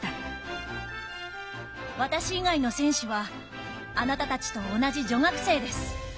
私以外の選手はあなたたちと同じ女学生です。